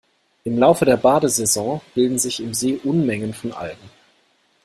Im Laufe der Badesaison bilden sich im See Unmengen von Algen.